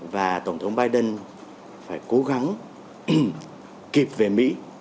và tổng thống biden phải cố gắng kịp về mỹ